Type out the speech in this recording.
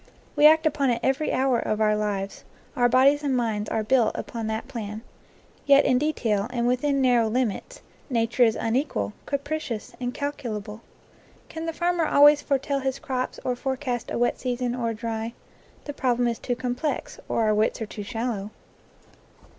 We act upon it every hour of our lives; our bodies and minds are built upon that plan. Yet in detail, and within narrow limits, nature is unequal, capri cious, incalculable. Can the farmer always foretell his crops or forecast a wet season or a dry? The problem is too complex, or our wits are too shallow.